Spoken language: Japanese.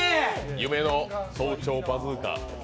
夢の「早朝バズーカ」。